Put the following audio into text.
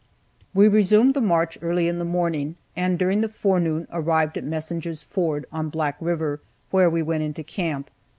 We resumed the march early in the morning, and during the forenoon arrived at Messinger's ford, on Black river, where we went into camp.